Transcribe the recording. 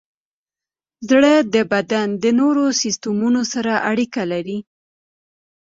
زړه د بدن د نورو سیستمونو سره اړیکه لري.